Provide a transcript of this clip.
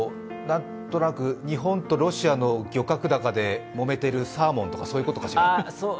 何となく日本とロシアの漁獲高でもめてるサーモンとかそういうことかしら。